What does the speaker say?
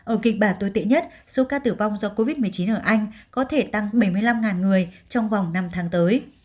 ở kịch bản tồi tệ nhất số ca tử vong do covid một mươi chín ở anh có thể tăng bảy mươi năm người trong vòng năm tháng tới